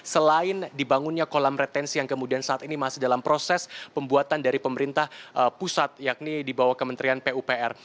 selain dibangunnya kolam retensi yang kemudian saat ini masih dalam proses pembuatan dari pemerintah pusat yakni di bawah kementerian pupr